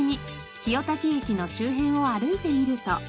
清滝駅の周辺を歩いてみると。